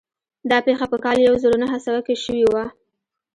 دا پېښه په کال يو زر و نهه سوه کې شوې وه.